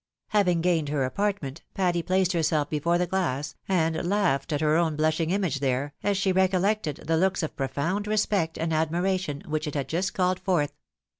Having gained her apartment, Patty placed herself before the glass, and laughed at her own blushing image there, as she recollected the looks of profound respect and admiration which it had just caDed forth.